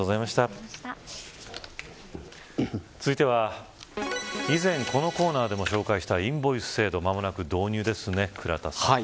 続いては以前、このコーナーでも紹介したインボイス制度間もなく導入ですね、倉田さん。